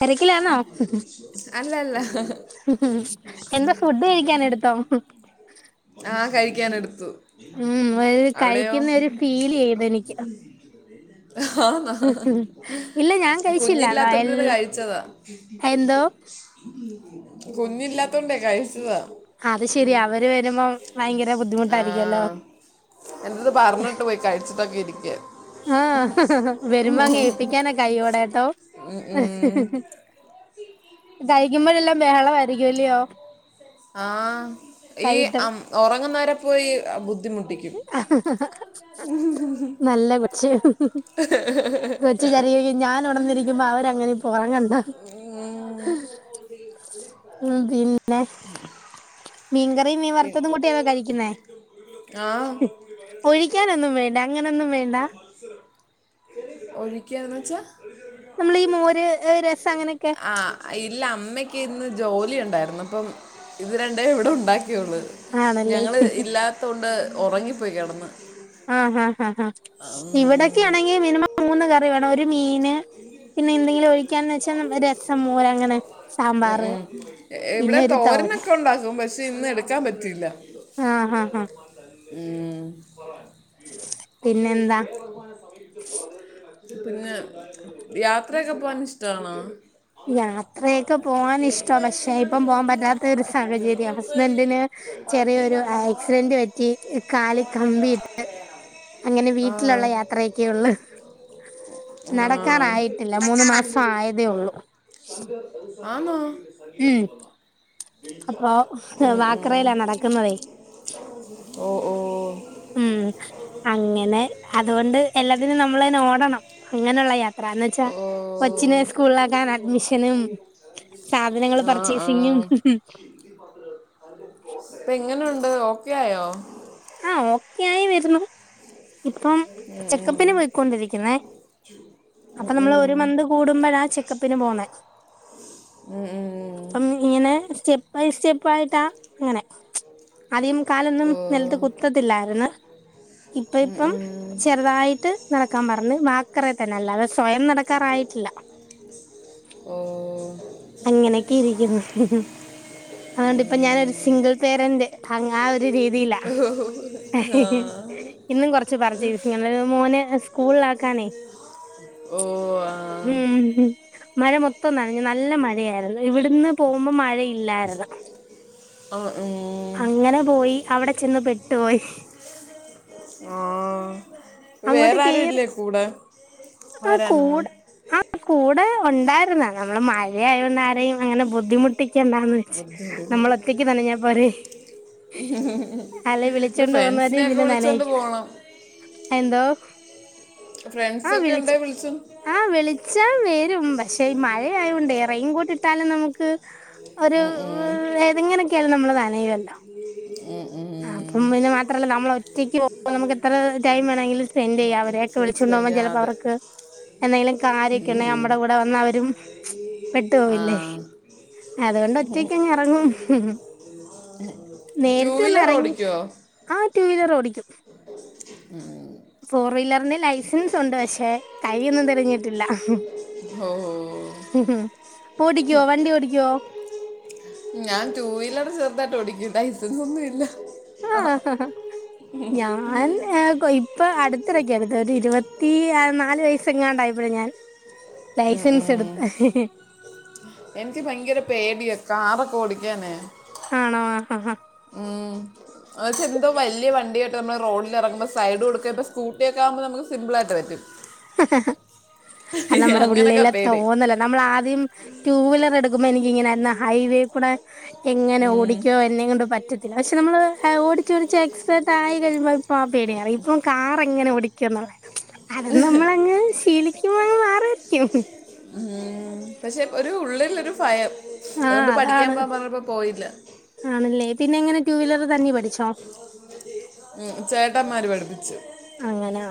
തിരക്കിലാണോ അല്ലല്ല. എന്താ ഫുഡ് കഴിക്കാൻ എടുത്തോ? ആഹ് കഴിക്കാൻ എടുത്തു. ഉം ഒരു അവിടെയോ? കഴിക്കുന്ന ഒരു ഫീൽ ചെയ്തു എനിക്ക് ഇല്ല ഞാൻ കഴിച്ചില്ല കുഞ്ഞില്ലാ എന്നാ തോണ്ടിരുന്നു എല്ലാ കഴിച്ചതാ. എന്തോ കുഞ്ഞില്ലാത്തോണ്ടെ കഴിച്ചതാ. അത് ശെരി. അവര് വരുമ്പോ ഭയങ്കര ബുദ്ധിമുട്ടായിരിക്കല്ലോ? എന്നോട് പറഞ്ഞിട്ട് പോയി കഴിച്ചിട്ടൊക്കെ ഇരിക്കാൻ. ആഹ് വെരുമ്പോ അങ്ങ് ഏൽപ്പിക്കാനൊക് കയ്യോടെട്ടോ. കഴിക്കുമ്പോഴെല്ലാം ബെഹളമായിരിക്കിയല്ലോ? ആഹ് ഈ അം ഒറങ്ങുന്നവരെ പോയി ബുദ്ധിമുട്ടികും. അ ഹ ഹ ഹ. നല്ല കൊച്ച്. കൊച്ച് വിചാരിക്കും ഞാൻ ഒണർനിരികുമ്പോ അവരങ്ങനെപ്പൊ ഒറങ്ങണ്ട. പി ന്നെ മീൻകറിയും മീൻ പിൻ- വറുത്തതും കൂട്ടിയാണോ കഴിക്കുന്നേ? ആ ഒഴിക്കാനൊന്നും വേണ്ട. അങ്ങനൊന്നും വേണ്ട? ഒഴിക്കാന്നുവെച്ചാ? നമ്മളീ മോര്, രസം അങ്ങനെക്കെ. ആ ഇല്ല അമ്മയ്ക്ക് ഇന്ന് ജോലി ഒണ്ടായിരുന്ന്, പ്പം ഇത് രണ്ടേ ഇവിടെ ഉണ്ടാക്കിയുള്ള്. ആണല്ലേ ഞങ്ങള് ഇല്ലാത്തോണ്ട് ഒറങ്ങിപ്പോയി കെടന്ന്. ആഹ് ഹാ ഹാ ഉം. ഇവിടാക്കൊണെങ്കി മിനിമം മൂന്ന് കറി വേണം. ഒരു മീന് പിന്നെ എന്തെങ്കിലും ഒഴിക്കാന്ന് വെച്ചാ രസം മോര് അങ്ങനെ സാമ്പാറ്. ഏഹ് പിന്നെ ഇവിടെ ഒരു തോരൻ തോരനൊക്കെ ഉണ്ടാക്കും പഷെ ഇന്ന് എട്ക്കാൻ പറ്റീല്ല. ആഹ് ആ ആ. ഉം. പിന്നെന്താ പിന്നെ യാത്രക്കെ പോവാൻ ഇഷ്ടാണോ? യാത്രയൊക്കെ പോവാൻ ഇഷ്ട പക്ഷെ ഇപ്പം പോവാ പറ്റാത്ത ഒരു സാഹചര്യ ഹസ്ബന്റിന് ചെറിയൊരു ആക്സിഡന്റ് പറ്റി കാലിൽ കമ്പിട്ട് അങ്ങനെ ആ വീട്ടിലുള്ള യാത്രയൊക്കെ ഒള്ള്. ആ നടക്കാറായിട്ടില്ല മൂന്ന് മാസം ആയതേ ഒള്ളൂ. ആന്നോ? ഉം അപ്പൊ ആ ഉം ഉം. വാക്കറേലാ നടക്കുന്നതേ. ഓ ഓ ഉം ക് അങ്ങനെ അതുകൊണ്ട് എല്ലാത്തിനും നമ്മളന്നെ ഓടണം അങ്ങനെള്ള യാത്ര ന്ന് ച്ചാ ഓ കൊച്ചിനെ സ്കൂളാക്കാൻ അഡ്മിഷനും സാധനങ്ങൾ പർച്ചേസിങ്ങും ഇപ്പ എങ്ങനുണ്ട് ഓക്കെ ആയോ? ആ ഓക്കെ ആയി വരുന്നു ഇപ്പം ചെക്കപ്പിന് പോയിക്കൊണ്ടിരിക്കുന്നേ. അപ്പൊ ഉം നമ്മള് ഉം. ഒരു മന്ത് കൂടുമ്പോഴാ ചെക്കപ്പിന് പോണേ. മ് മ് മ്. പ്പം ഇങ്ങനെ സ്റ്റെപ്പ് ബൈ സ്റ്റെപ്പ ആയിട്ടാ അങ്ങനെ. ആദ്യം കാലൊന്നും ഓ നെലത്ത് കുത്തത്തില്ലായിരുന്നു ഇപ്പ ഉം ഇപ്പം ഉം. ചെറുതായിട്ട് നടക്കാ പർഞ്ഞ് വാക്കറ തന്നെ അല്ലതെ സ്വയം നടക്കാറായിട്ടില്ല. ഓഹ് അങ്ങനൊക്കെ ഇരിക്കുന്നു അതോണ്ടിപ്പാ ഞാനൊരു സിംഗിൾ പേരന്റ് ആ ഒരു രീതില. ഒ ഹോ ഹോ ഹോ. ഇന്നും കൊറച്ച് പർച്ചേസ് മോനെ സ്കൂള് ആക്കാനേ. ഓ ആ ഉം മഴ മൊത്തം നനഞ്ഞ് നല്ല മഴ. യായിരുന്ന് പോകുമ്പോ മഴ ഇല്ലരുന്നു ആ ഉം അങ്ങനെ പോയി അവിടെ ചെന്ന് പെട്ടുപോയി. ആഹ് വേറെ ആരു ഇല്ലേ കൂടെ? ആഹ് ആരാണെന്ന് കൂടെ ആ കൂടെ ഒണ്ടായിര്ന്ന് നമ്മള് മഴയൊണ്ട് ആരെയും അങ്ങനെ ബുദ്ധിമു ട്ടിക്കണ്ടാന്ന് വെച്ച് ബുദ്ധിമുട്ട് നമ്മള ഒറ്റയ്ക്ക് നനഞ്ഞ പോരെ? അല്ലെ ല്ല വിളിച്ചോണ്ട് ഫ്രണ്ട്സിനെ പോകുന്നവരെയും ഒക്കെ പിന്നെ വിളിച്ചോണ്ട് നനയിക്കും പോണം. എന്തോ? ഫ്രണ്ട്‌സ് ഒക്കെ വിളിചോ. ആഹ വിളിച്ചൽ വെരും പക്ഷെ മഴയായൊണ്ടെ റെയിൻ കോട്ട് ഇട്ടാലും നമുക്ക് ഒരു ഉം ഉം. എതെങ്ങനെയൊക്കെയാലും നമ്മൾ നനയുമല്ലോ ആഹ് ആഹ് അപ്പം പിന്ന മാത്രമല്ല നമ്മൾ ഒറ്റക്ക് പോക നമുക്ക് എത്ര ടൈം വേണമങ്കിലും സ്പെൻഡ്‌ ചെയ്യാം അവരെ സ്പെന്റ് ആഹ് അത് എന്തെങ്കിലും കാര്യക്കെ ഉണ്ടെങ്കിൽ നമ്മുടെ കൂടെ വന്ന അവരും പെട്ടു ആ പോവില്ലേ അതുകൊണ്ട് ഒറ്റയ്ക്കങ്ങ്റങ്ങും റ്റു ക്ക് ഇറങ്ങി ആഹ് ടു വീലർ ഓടിക്കും ഫോർ വീലറിന്റെ ലൈസൻസ്ണ്ട് പക്ഷെ കൈയോന്നും തെളിഞ്ഞിട്ടില്ല ഒഹ് ഓഹ് ഓടിക്കുവോ വണ്ടി ഓടിക്കുവോ ഞാൻ ടു വീലർ ചേർതായിട്ട് ഓടിക്ക ലൈസൻസ് ഒന്നുംല്ല ആഹ് ഞാൻ കോയി ഇപ്പൊ അടുത്തിടയ്ക്കാണ് എടുത്ത ഒരു ഇരുപത്തി നാല് വയസ്സെങ്ങാണ്ടായപ്പോഴ ഞാൻ ഉം ലൈസൻസ് എടു ഉം. എനിക്ക് ഭയങ്കര പേടിയ കാറൊക്കെ ഓടിക്കാനെ ആണോ ആഹ്ഹ ഉം എന്തോ വലിയ വണ്ടിയായിട്ട് നമ്മൾ റോഡിൽ ഇറങ്ങുമ്പോൾ സൈഡ് കൊടുക്ക ഇപ്പ സ്കു സ്കൂട്ടി ഒക്കെ ആകുമ്പൾ നമുക്ക്‌ സിമ്പിളായിട്ട് പറ്റും അത് നമ്മുടെ അങ്ങനൊക്കെ ഉള്ളിലെ പേടി തോന്നല നമ്മൾ ആദ്യം ടു വീലർ എടുക്കുമ്പോ എനിക്കിങ്ങനൊ ഹൈവേക്ക്ടെ എങ്ങനെ ഉം. ഓടിക്കോ എന്നെ കൊണ്ട് പ പറ്റത്തില്ല പക്ഷ നമ്മള് ഓടിച്ച്ച്ചോടിച്ച് എക്സ്രാപർട്ട് ആയി കഴിമ്പ ആ പേടിമാറി ഇപ്പം കാർ എങ്ങനെ ഓടിക്കന്നുള്ള അത് നമ്മളങ്ങ് ശീലിക്കുമ്പോ അങ്ങ് മാറുവായിരിക്കും ഉം പക്ഷെ ഒരു ഉള്ളിൽ ഒരു ഭയം ആഹ് അതുകൊണ്ട് പഠിക്കാൻ അതാണ് പോവാൻ പറഞ്ഞപ്പോ പോയില്ല ആണല്ലേ പിന്നെ എങ്ങനെ ടു വീലർ തന്നെ പഠിച്ചോ ഉം ചേട്ടന്മാര് പഠിപ്പിച്ചു അങ്ങനാ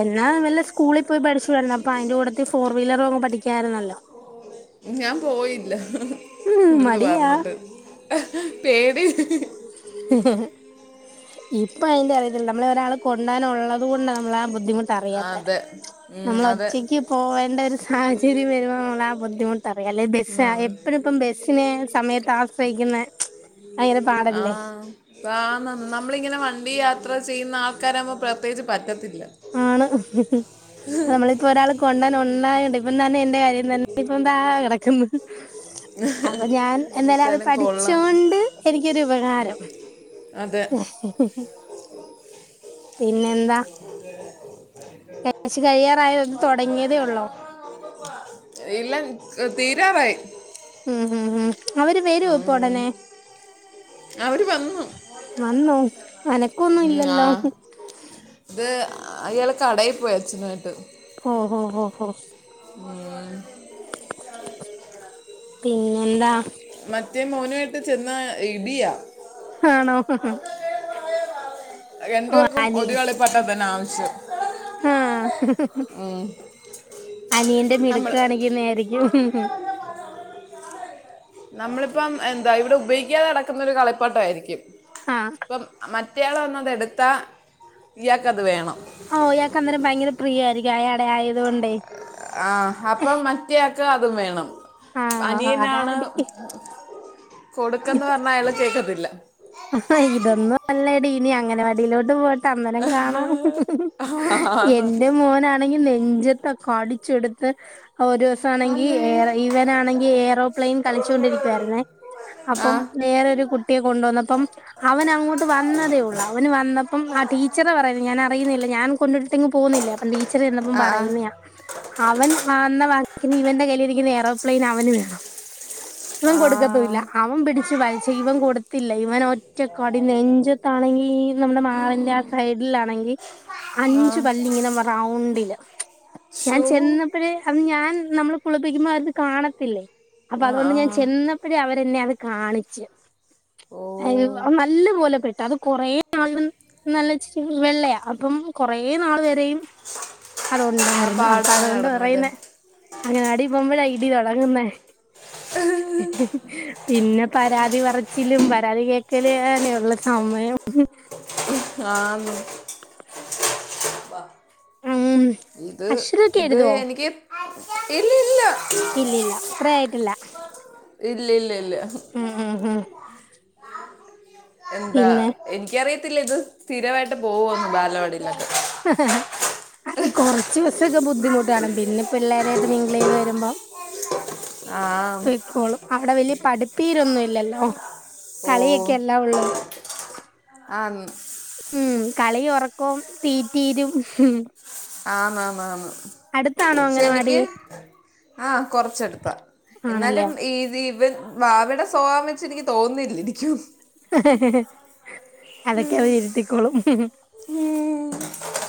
എന്നാ വല്ല സ്കൂളിൽ പോയി പഠിച്ചുടാരുന്നോ അപ്പൊ അതിന്റെ കുട്ടത്തി ഫോർ വീലറ് അങ്ങ് പഠിക്കായിരുന്നല്ലോ ഞാൻ പോയില്ല ഉം എന്റെടുത്ത് മടിയാ പറഞ്ഞിട്ട് പേടി [unintelligible] ഇപ്പൊ അയിന്റെ അറിയത്തില്ല നമ്മള ഒരാൾ കൊണ്ടാന ഉള്ളത് കൊണ്ട നമ്മൾ ആ ബുദ്ധിമുട്ട് അറിയാത്ത അതെ ഉം, നമ്മൾ അതെ ഒറ്റക്ക് പോകേണ്ട ഒരു സാഹചര്യം വരുമ്പോ നമ്മൾ ആ ബുദ്ധിമുട്ട അറിയാം അല്ലെ ബസ്സ് ഉം. ആകെ എപ്പഴും പ്പ ബസിനെ സമയത്ത് ആശ്രയിക്കുന്ന ഭയങ്കര പാടല്ലേ ആന്ന് നമ്മളിങ്ങനെ വണ്ടി യാത്ര ചെയ്യുന്ന ആൾക്കാരാവുമ്പോ പ്രത്യേകിച്ച് പറ്റത്തില്ല ആണ് നമ്മള് ഇപ്പൊ ഒരാൾ കൊണ്ടൻ ഒണ്ടണ്ട് ഇപ്പ തന്നെ എന്റെ കാര്യം തന്നെ ഇപ്പൊ ദാ കിടക്കന്ന് അപ്പ ഞാൻ എന്താലും അത് എന്തായാലും കൊള്ളാം പഠിച്ചോണ്ട് എനിക്കൊരുപകാരം അതെ പിന്നെന്താ കഴിച്ചു കഴിയാറായോ തുടങ്ങിയതേ ഉള്ളോ ഇല്ല തീരാറായി ഉം ഉം ഉം അവര് വരൂവോ ഇപ്പൊ ഉടനെ അവര് വന്നു വന്നോ അനക്കൊന്നും ഉം, ആ ഇല്ലല്ലോ ഇത് അയാൾ കടയിൽ പോയ അച്ഛനായിട്ട് ഒ ഓ ഹോ ഹോ ഉം പിന്നെന്താ മറ്റേ മോനയിട്ട് ചെന്ന ഇടിയാ ആണോ രണ്ടു ഓ പേർക്കും അനിയ ഒരു കളി പാട്ട തന്നെ ആവശ്യം ആ [unintelligible] ഉം അനിയന്റെ നമ്മൾ മിടുക്ക് കാണിക്കുന്നതയിരിക്കും നമ്മളിപ്പം എന്താ ഇവിടെ ഉപയോഗിക്കാതെ കിടക്കുന്നൊരു കളിപ്പാട്ടയിരിക്കും ആഹ് ഇപ്പം മ കുട്ടയാള വന്നത് എടുത്താൽ ഇയാൾക്കത് വേണം ഓഹ് യാൾക്ക് അന്നേരം ഭയങ്ക പ്രിയായിയിരിക്കും അയാടെ ആയതുകൊണ്ട് ആഹ് അപ്പം മറ്റയാൾക്ക് അതും വേണം ആഹ് അനിയനാണ് അതാടി [inaudible] കൊടുക്കെന്ന് പറഞ്ഞാൽ അയാൾ കേൾക്കത്തില്ല ഇതൊന്നും അല്ലടീ ഇനി അങ്കണവാടിയലോട്ട് പോ അന്നേരം കാണാം ആന്ന്. എന്റെ മോനാണെങ്കിൽ നെഞ്ചത്തൊക്കെ അടിച്ചെടുത്ത് ഒരു ദിവസ ആണെങ്കിൽ അമ്മേ ഇവനാണെങ്കിൽ ഏറോപ്ലെയിൻ കളിച്ചൊണ്ടിരിക്കുവരുന്നേ ആ അപ്പം വേറൊരു കുട്ടിയെ കൊണ്ടുവന്ന ഇപ്പം അവൻ അങ്ങോട്ട് വന്നതേ ഉള്ളൂ അവന് വന്നപ്പം ആ ടീച്ചറ് പറയുന്നു ഞാൻ അറിയുന്നില്ല ഞാൻ കൊണ്ടു വിട്ടിങ് പോന്നില്ലേ അപ്പം ടീച്ചറ് ചെന്നാപ്പം ആ ആ പറയുന്നായ അവൻ വാന്ന വാക്കിന് ഇവൻന്റെ കയ്യിൽ ഇരിക്കുന്ന ഏറോപ്ലെയിൻ അവന് വേണം ഇവൻ ആ കൊടുക്കത്തുഇല്ല അവൻ പിടിച്ച് വാലിച്ച ഇവൻ കൊടുത്തില്ല ഇവൻ ഒറ്റ കടി നെഞ്ചത്താണെങ്കി നമ്മുടെ മാറിന്റെ ആ സൈഡിലാണെങ്കി ആ അഞ്ചു പല്ലിങ്ങനെ മ റൗണ്ടില് ഞാൻ ഷൂ ചെന്ന പ്പയെ അത് ഞാൻ നമ്മള് കുളിപ്പിക്കുമ്പോ അത് കാണത്തില്ലേ അപ്പൊ ആ അതുകൊണ്ട് ആ ഞാൻ ചെന്ന പ്പയെ അവരെന്നെ അത് കാണിച്ച് ഓ ഏ നല്ലപോലെ പെട്ടു അത് കൊറേ നാൾവെൻ നല്ലഇച്ചിരി വെള്ളയാ അപ്പം കൊറെേ നാൾ വരെയും അത് ആ ഒണ്ടാരുന്നു അപ്പൊ പാടം അതുകൊണ്ട് നടന്നല്ലേ പറയുന്നെ അങ്ങന ആടി പോപായ ഇടി തുടങ്ങുന്നേ പിന്നെ പരാതി പറച്ചിലും പരാതി കേക്കല് ഏനെ ഉള്ളു സമയം ആന്നു [inaudible] ആഹ് ഉം ഇത് അശോര്ക്കെ ഇത് എഴുതുവൊ എനിക്ക് ഇല്ല ഇല്ല ഇലില്ല അത്ര ആയിട്ടില്ല [inaudible] ഇലിലില്ല്യ ഉം ഉം ഉം എന്താ പിന്നെ എനിക്കറിയത്തില്ല ഇത് സ്ഥിരവായിട്ട് പോവൊന്നു ബാലവാടിലൊക്കെ അത് കൊറച്ച് ദിവസൊക്കെ ബു ബുദ്ധിമുട്ടണ് പിന്നെ പിള്ളേരായിട്ട് മിംഗിൾ ചെയ്ത് വരുമ്പം ആ തയ്ക്കോളും അവിടെ വലിയ പഠിപ്പീരൊന്നും ഇല്ലല്ലോ കളിയക്കെ എല്ലാ ഉള്ളൂ ആ [unintelligible] ഉം കളി ഉറക്കം തീറ്റീരും ഉം ആന്നാന്നാന്ന് അടുത്താണോ അംഗനവാടി ശനിക്ക് ആഹ് കൊറച്ചെടുത്താ ആണല്ലേ എന്നാലും ഈ വി ഇവൻ വാവേടെ സോവാ വെച്ച് എനിക്ക് തോന്നില്ല ഇരിക്കും അതൊക്ക അവര് ഇരുത്തിക്കോളും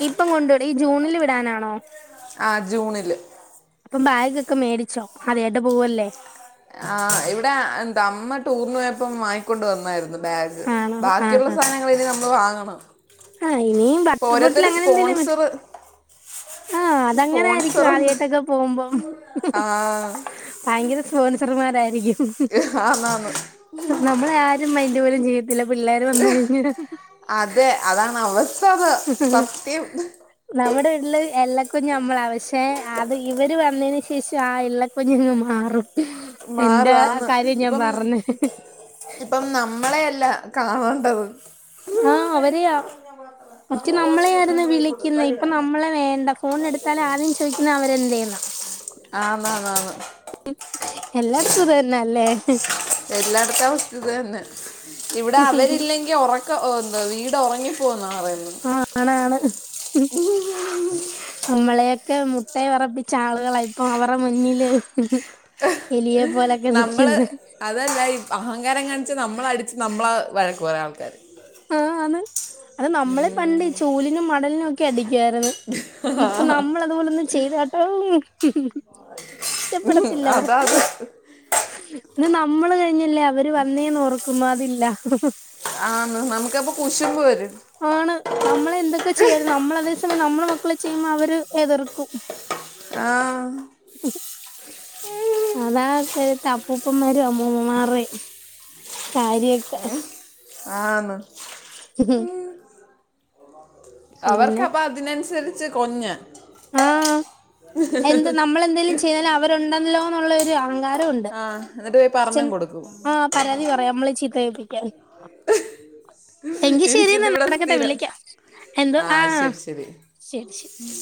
ഇപ്പം കൊണ്ടടി ഈ ജൂണില് വിടാനാണോ ആ ജൂണില് അപ്പം ബായ് ഒക്കെ മേടിച്ചോ ആദ്യട് പോവല്ലേ ആ ഇവിടെ എന്ത അമ്മ ടൂറിന് പോയപ്പം വാങ്ങിക്കൊണ്ട് വന്നായിരു ന്നു ബാഗ് ആണോ ആഹ് ബാക്കിയുള്ള ആഹ് സാനങ്ങൾ ഇനി നമ്മള് വാങ്ങണം ആഹ് ഇനിയും വാട്ടർ ബോട്ടിൽ ഓരോത്തരു സ്പോൺസറ് ആ അതങ്ങനെ ആരിക്കും ആദ്യമായിട്ടൊക്കെ പോകുമ്പം ആ ഭയങ്കര സ്പോൺസർമാരാരിക്കും ആന്നാന്നു നമ്മളെ ആരും മയിന്റ് പോലും ചെയാത്തില്ല പിള്ളേര് വന്ന് കഴിഞ്ഞ അതെ അതാണ് നമ്മ് ഉ നമ്മുടെ വീട്ടില് എല്ലകുഞ്ഞു നമ്മളാ പക്ഷെ അത് ഇവര് വന്നെന് ശേഷം ആ ഇള്ളകുഞ്ഞ് അങ്ങ് മാറും എന്താ ആ മാറുവാന്ന് കാര്യം ഞാൻ ഇപ്പം പറഞ്ഞെ ഇപ്പം നമ്മളെ അല്ല കാണണ്ടാത് ആ അവരെയ മറ്റേ നമ്മളെ ആരുന്നു വിളിക്കുന്നെ ഇപ്പൊ നമ്മളെ വേണ്ട ഫോൺ എടുത്താൽ ആദ്യം ചോയിക്കുന്ന അവരെന്ത്യന്നാ ആന്നാന്നാന്ന് എല്ലാടത്തു ഇത് തന്ന ആല്ലേ എല്ലായിടത്തെ അവസ്ഥ ഇത് തന്നെ ഇവിടെ അവരില്ലെങ്കി ഒറക്ക ഓ എന്താ വീട് ഒറങ്ങി പോന്ന പറുന്നു ആഹ് ആണാണ് നമ്മളെയൊക്കെ മുട്ട് വിറപ്പിച്ച ആളുകളായി ഇപ്പ അവര്ടെ മുന്നില് എലിയെ പോലൊക്കെ നമ്മള് നിക്കുന്നെ അതല്ല ഈ അഹങ്കാരം കാണിച്ച് നമ്മള അടിച്ച് നമ്മളാ വഴക്ക പറയാ ആൾക്കാര് ആഹ് അത് അത് നമ്മളെ പണ്ട് ചൂലിനും മടലിനും ഒക്കെ അടിക്കു ആയിരുന്നു ഇപ്പൊ നമ്മൾ അതുപോലെ ഒന്നും ചെയ്താട്ടോ ഇഷ്ടപ്പെടത്തില്ല അതാ അവർക്ക് അത് ഇ നമ്മള് കഴിഞ്ഞല്ലേ അവര് വന്നേന്ന് ഒർക്കും അതില്ല ആ നമുക്കപ്പൊ കുശുമ്പ് വരും ആണ് നമ്മള എന്തൊക്കെ ചെയ്യത് നമ്മൾ അതേ സമയം നമ്മളെ മക്കളെ ചെയ്യുമ്പോൾ അവര് എതിർക്കും ആഹ് അതാ ഇപഴത്തെ അപ്പൂപ്പന്മാരും അമ്മൂമ്മമാരയും സാരിയൊക്കെ ആണ് ഉം അവർക്ക പിന്നെ അപ്പ അതിനനുസരിച്ച് കൊഞ് ആഹ് എന്ത് നമ്മൾ എന്തെലും ചെയ്താലും അവരുണ്ടല്ലോന്നുള്ള ഒരു അഹങ്കാരം ആ എന്നിട്ട് പോയി പറഞ്ഞും കൊടുക്കും ആ പരാതി പറയാം നമ്മളെ ചീത്ത കേൾപ്പിക്കാൻ എങ്കി ശരി എന്നാ എനിക്കിതിവിടെ നടക്കട്ടെ സ്ഥിരം വിളിക്ക എന്തോ ആ ശരി ശരി ശരി ശരി